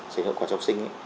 sửa hậu quả trọng sinh